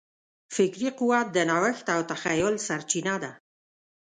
فکري قوت د نوښت او تخیل سرچینه ده.